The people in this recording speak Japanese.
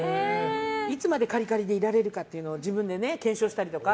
いつまでカリカリでいられるかを自分で検証したりとか。